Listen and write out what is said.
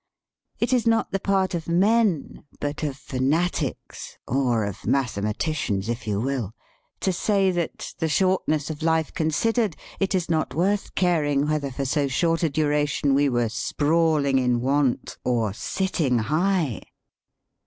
It is not the part of men, but of fanatics or of mathematicians, if you will to say that, the shortness of life considered, it is not worth caring whether for so short a du ration we were sprawling in want or sitting high.